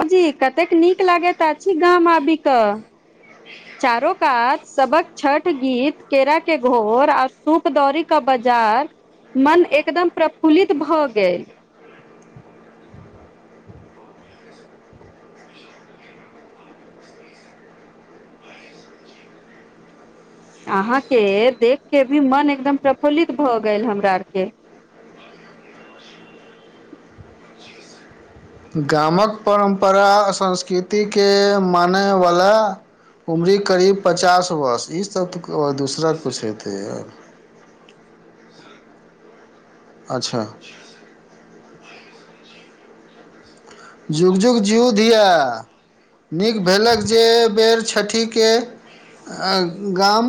प जी कतेक नीक लागैत अछि गाम आबि कऽ चारो कात सबबक छठ गीत केरा के घोर आर सूप दौरी का बाजार मन एकदम प्रफुल्लित भऽ गेल। अहाँ के देख के भी मन एकदम प्रफुलित भ गेल हमरा आर के। गामक परम्परा आ संस्कृतिके मानयवला उम्री करीब पचास वर्ष ईस तऽ दोसराक किुछु हेतै याऽ अच्छा। जुग- जुग जिउ धीया नीक भेलक जे बेर छठीके आ गाम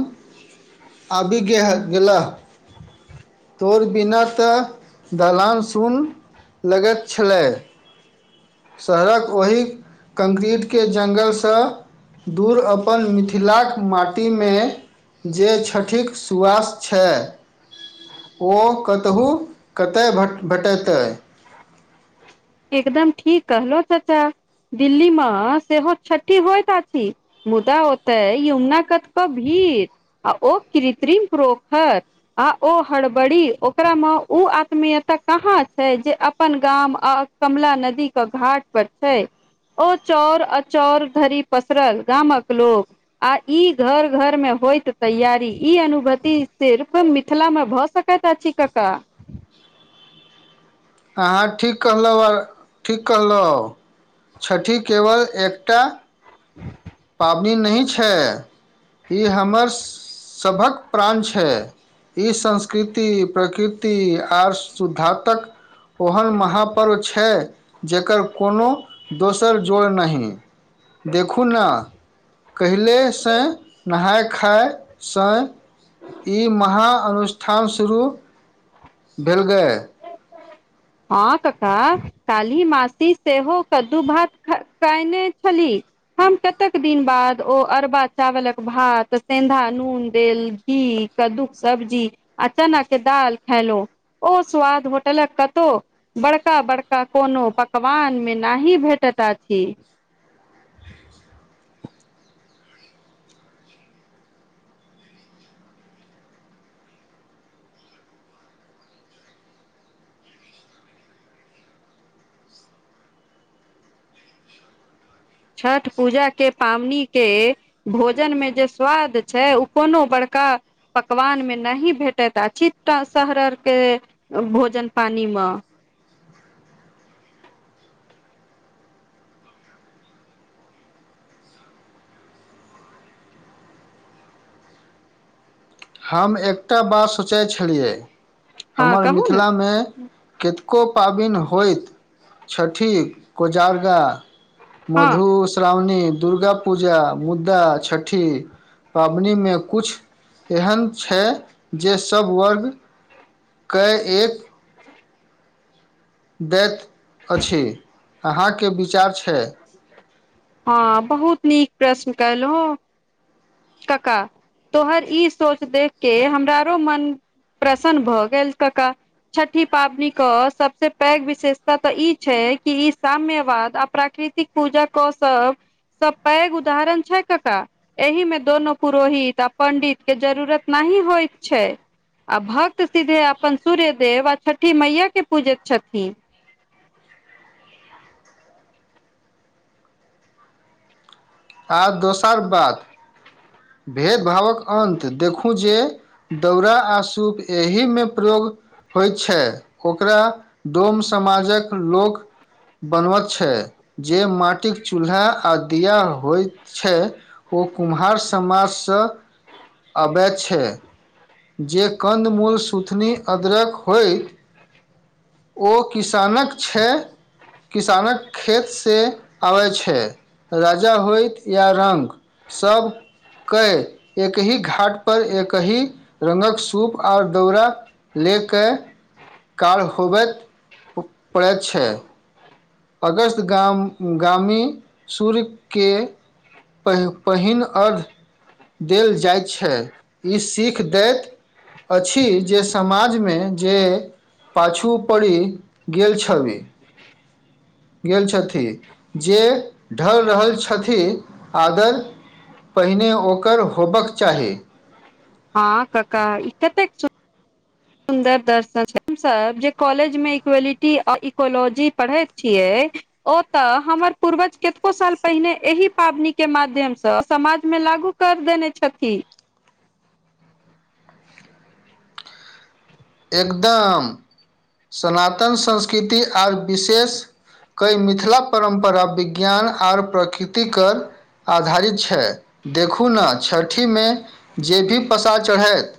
आबि गेल गेलाह तोर बिना तऽ दलान सुन लगैत छलै। शहरक ओही कंक्रीटके जङ्गलसँ दूर अपन मिथिलाक माटीमे जे छठिक सुआस छै। ओ कतहु कतय भ भेटेतै। एकदम ठीक कहलो चाचा दिल्ली मे सेहो छ्ठी होइत अछि। मुदा ओतई यमुना कत क भीड़ आ ओ कृत्रिम प्रोखर आ ओ हड़बड़ी ओकरामे ओ आत्मी एतय कहाँ छय जे अपन गामआ कमला नदी क घाट पर छय। ओ चाउर आ चाउर धरि पसरल गामक लोक आ ई घर -घर मे होइत तैयारी ई अनुभूति सिर्फ मिथिलामे भऽ सक कत छी कका अहाँ ठीक कहलहुँ आओर ठीक कहलहुँ छठि केवल एकटा पाबनि नहि छै ई हमर सभक प्राण छै। ई संस्कृति प्रकृति आर शुद्धातक ओहन महापर्व छै, जकर कोनो दोसर जोड़ नहि। देखू न कहिलेसँ नहाय खाय सँइ ई महाअनुष्ठान शुरू भेलै। हँ काका काली मासी सेहो कद्दू भात ख खयने छली। हम कतेक दिन बाद ओ अरबा चावलक भात सेन्धा नून देल घी कद्दूक सब्जी आ चना के दाल खलो ओ स्वाद होटल क बड़का -बड़का कोनो पकवान मे नाही भेटैत अछि। छठ पूजा के पावनि के भोजनमे जे स्वाद छै ओ कोनो बड़का पकवानमे नहि भेटैत अछि झिटा शहर आरके भोजन पानि म हम एकटा बात सोचै छलियै हँ हमर कहू ने मिथिलामे कतेको पाबइन होइत छठी। कोजारगा हँ मधुस श्रावणी, दुर्गा पूजा मुद्दा छठि पबनीमे कुछ एहन छै जे सब वर्गके एक [inaudible] दैत अछि अहाँके विचार छै। हँ बहुत नीक प्रश्न कयलौं कका। तोहर ई सोच देख के हमरा आरो मन प्रसन्न भऽ गेल कका। छठि पाबनीक सबस पैघ विशेषता तऽ ई छै कि ई साम्यवाद आ प्राकृत तिक पूजा कऽ सबस पैघ उदाहरण छै कका। एहि मे दोनो पुरोहित आ पण्डित के जरूरत नाही होइत छै। आ भक्त सीधे अपन सूर्य देव आ छठि मैयै के पूजैत छथी। आर दोसर बात भेदभावक अन्त देखू जे दौरा आ सूप एहिमे प्रयोग होइ छै ओकरा डोम समाजक लोक बनबत छै जे माटिक चूल्हा आ दिया होइत छै ओ कुम्हार समाजस अबैत छै। जे कन्द मूल, सूथनी, अदरक होय ओ किसानक छै। किसानक खेतसे आबै छै राजा होइत या रंक। सब कय एकहि घाट पर एकहि रंगक सूप आओर दौरा ले के काल होबैत पड़ैत छै। अगस्त गाम गामी सूर्यके पहि पहिन अध देल जाइ छै ई सीख दैत अछि जे समाजमे जे पाछू पड़ी गेल छली। गेल छथी जे ढल रहल छथी आदर पहिने ओकर होबक चाही। हँ कका ई केतेक सुन् सुन्दर दर्शन छै हम सब जे कॉलेज मे इक्वैलिटी औ इकोलॉजी पढ़ैत छियै ओ तऽ हमर पूर्वज केतको साल पहिने एहि पाबनीके माध्यमस समाजमे लागू कर देने छथी। एकदम सनातन संस्कृति आर विशेष कय मिथिला परम्परा विज्ञान आर प्रकृतिके आधारित छै। देखू न छठीमे जे भी प्रसाद चढ़ैत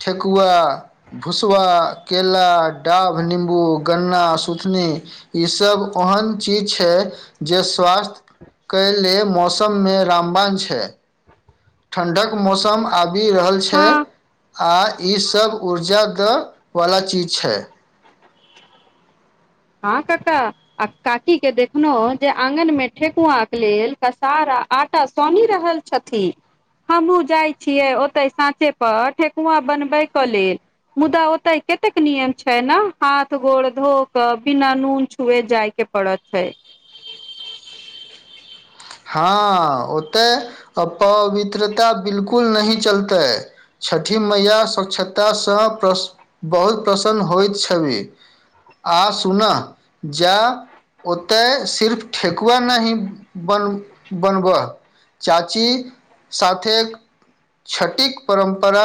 ठेकुआ भुसबा, केला, डाभ, नीम्बू, गन्ना, सुथनी ई सब ओहन चीज छै जे स्वास्थ कय ले मौसममे रामबाण छै। ठण्डक मौसम आबि रहल छै। हँ आ ईसब ऊर्जा द बला चीज छै। हां कका। आ काकी के देखलौं जे आँंगन मे ठेकुवाक लेल कसार आ आंटा सानि रहल छथि हमहुँ जाइ छियै ओतै साँचे पर ठेकुवा बनबै कऽ लेल। मुदा ओतय केतेक नियम छइ नऽ हाथ गोड़ धो कऽ बिना नून छुवे जाय के पड़त छै। हँ ओतय अपवित्रता बिलकुल नहि चलतै। छठि मैया स्वच्छता सँ प्रस- बहुत प्रसन्न होइत छवि। आ सुनऽ जेए- ओतय सिर्फ ठेकुवा नहि बन बनबऽह चाची साथे छटिक परम्परा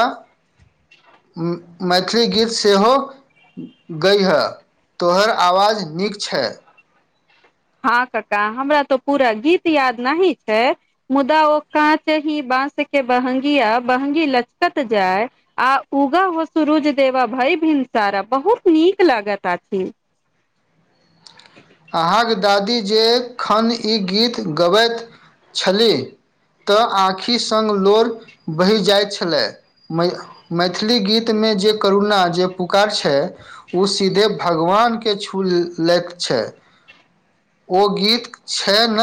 म्म मैथिली गीत सेहो गइहऽ तोहर आवाज नीक छेऽ। हँ कक्का हमरा त पूरा गीत याद नही छै। मुदा ओ काँच ही बाँस के बहंगीया बहंगी लचकत जाय आ उगऽ हो सुरुज देबा भइ भिनसारा बहुत नीक लागता छी। अहाँक दादी जे -खन ई गीत गबैत छली, तऽ आँखि सङ्ग लोर बहि जाइत छले। मै - मैथिली गीत मे जे करुणा जे पुकार छै उ सीधे भगवान के छू ल्-लैत छै। ओ गीत छनि न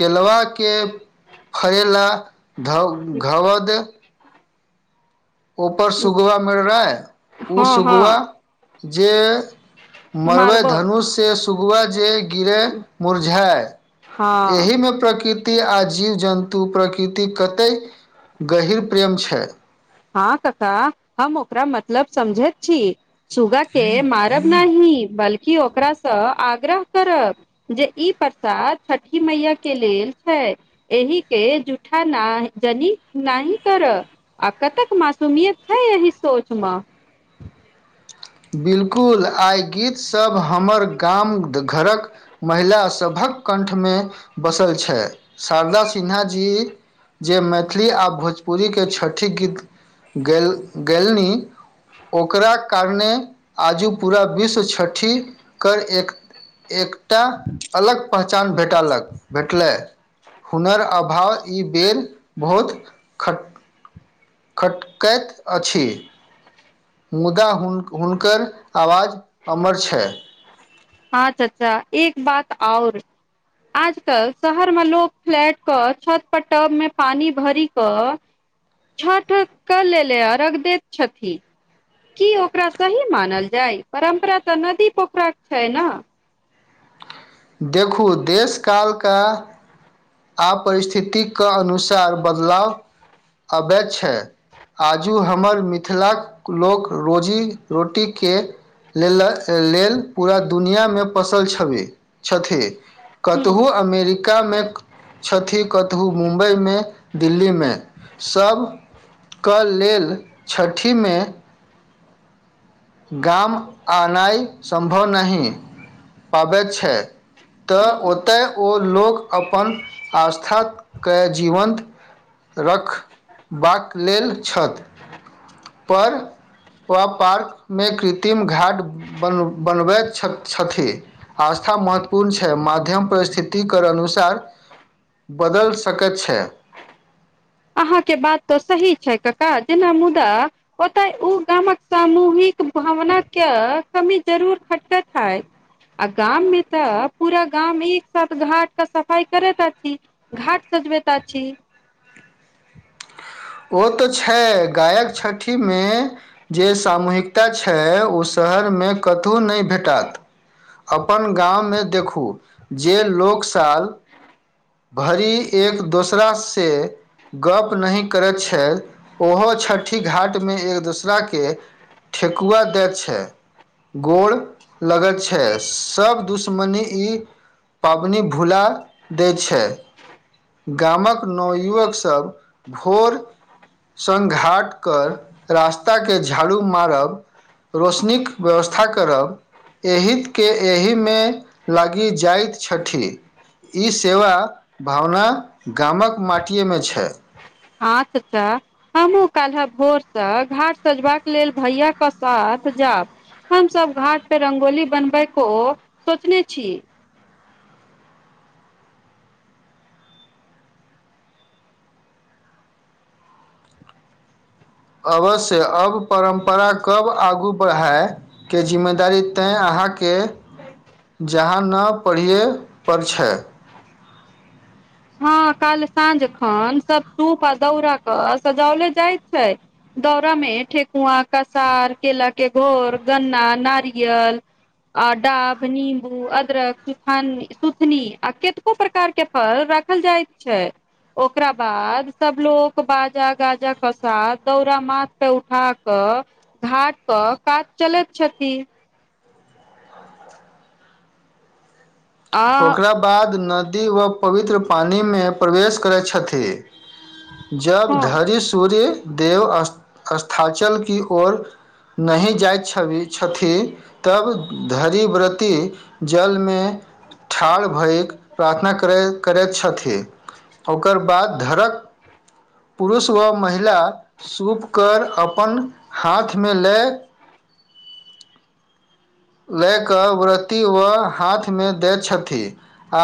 केलवा के फरेला घव-घवद उपर सुगबा मिरराइ उ हँ हँ सुगबा जे मरबय मारबो धनुष से सुगबा जे गिरय मुरझाय। हँ एहिमे प्रकृति आ जीव जन्तु प्रकृतिक कतेक गहिर प्रेम छै। हँ कक्का हम ओकरा मतलब समझैत छी। सुगा के मारब नहि बल्कि ओकरा सँ आग्रह करब जे ई प्रसाद छठी मैया के लेल छै। एहि के जूठा नाह जनी नाहि करऽह। कतेक मासूमियत छै एहि सोच म बिल्कुल आइ गीत सब हमर गाम घरक महिला सबहक कण्ठमे बसल छय शारदा सिन्हा जी जे मैथिली आ भोजपुरीके छठिक गीत गेल- गेलनी ओकरा कारणे आजू पूरा विश्व छठि कर एक एकटा अलग पहचान भेटऽलक भेटलै। हुनर आ भाव ई बेर बहुत खट खटकैत अछि। मुदा हुन- हुनकर आवाज अमर छै। हँ चच्चा एक बात आओर आजकल शहर मे लोक फ्लैट कऽ छत पर टब मे पानी भरिकऽ छठ कर लेले अरघ दैत छथि। की ओकरा सही मानल जाय परम्परा तऽ नदी पोखरा क छै नऽ। देखू देशकाल कऽ आ परिस्थिति कऽ अनुसार बदलाव अबैत छै। आजू हमर मिथिलाक लोक रोजी रोटी के लेल, लेल पूरा दुनिआमे पसल छबै। छथि। हूँ कतहु अमेरिकामे छथि, कतहु मुम्बई मे दिल्ली मे, सभक लेल छठिमे गाम आनाइ सम्भव नहि पाबैत छै। तऽ हूँ ओतय ओ लोग अपन आस्थाके जीवन्त रखबाक लेल छथ। पर व पार्कमे कृत्रिम घाट बन बनबैत छथ छथि। आस्था महत्वपूर्ण छै, माध्यम परिस्थितिकर अनुसार बदल सकैत छै। अहाँके बात त सही छै कका, जेना मुदा ओतय ओ गामक सामूहिक भावना के कमी जरूर खटकैत है। आ गाम मे तऽ पूरा गाम एक साथ घाट क सफाई करैत अछि। घाट सजबैत आछि। ओ तऽ छै, गायक छठिमे जे सामूहिकता छै, ओ शहरमे कतहु नै भेटत। अपन गाममे देखू, जे लोक साल भरी एक दोसरा से गप्प नहि करैत छै, ओहो छठि घाटमे एक दोसराके ठेकुआ दै छै, गोड़ लगैत छै। सब दुश्मनी ई पाबनि भुला दै छै। गामक नवयुवकसभ भोर सङ्घाट कर रास्ताके झाड़ू मारब रौशनीक व्यवस्था करब। एहितके एहिमे लागि जाइत छठी। ई सेवा भावना गामक माटियेमे छै। हा चचा हमहुँ काल्हा भोरसँ घाट सजबाक लेल भैया क साथ जाब। हम सब घाट पे रंगोली बनबै को सोचने छी। अवश्य अब परम्परा कब आगू बढ़य के जिम्मेदारी तै अहाँके जहाँ न पढ़िए पड़ छै। हँ काल साँझ खन सब सूप आ दौरा क सजओले जाइ छै। दौरा में ठेेकुआ, कसार केेला के घोर, गन्ना नारियल आ डाभ, नीमबू, अदरक, सुथनी आ केतको प्रकार के फल रख खल जाइत छै। ओकरा बाद सब लोगो को बाजा- गाजा के साथ, दौरा माथ पे उठा क घाट क काज चलैत छथि। आ ओकरा बाद नदी व पवित्र पानिमे प्रवेश करै छथि। जब हँ धरि सूर्य देव अ असथाचल की ओर नहि जाइत छवि - छथि। तब धरी व्रती जलमे [unintelligible] ठार भये प्रार्थना करै करैत छथि ओकर बाद धरक पुरुष व महिला सूपकर अपन हाथमे लेए लए कऽ व्रती वऽ हाथमे दैय छथि। आ